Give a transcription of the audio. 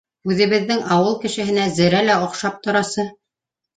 —Үҙебеҙҙең ауыл кешеһенә зерә лә оҡшап торасы